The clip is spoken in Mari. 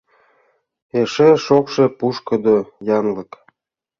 Эше шокшо, пушкыдо янлык...